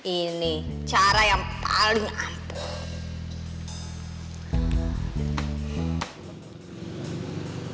ini cara yang paling aman